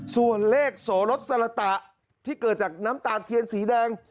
ส่วนเลขโสรสสรตะที่เกิดจากน้ำตาลเทียนสีแดง